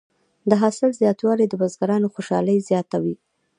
د حاصل زیاتوالی د بزګرانو خوشحالي زیاته وي.